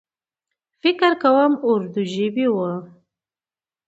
فکر کوم اردو ژبۍ و.